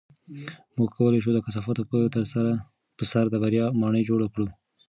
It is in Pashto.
موږ کولی شو د کثافاتو په سر د بریا ماڼۍ جوړه کړو.